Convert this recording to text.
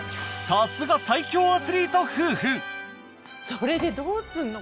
さすがそれでどうすんの？